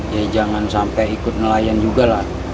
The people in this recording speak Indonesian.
ya jangan sampai ikut nelayan juga lah